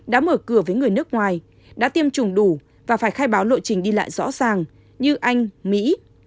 đã mở cửa với người nước ngoài đã tiêm chủng đủ và phải khai báo lộ trình đi lại rõ ràng như anh mỹ